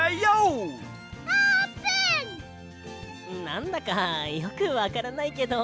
なんだかよくわからないけど。